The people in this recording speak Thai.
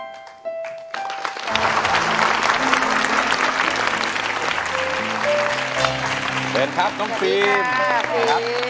เชิญครับน้องฟิรม